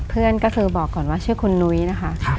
เพื่อนก็คือบอกก่อนว่าชื่อคุณนุ้ยนะคะ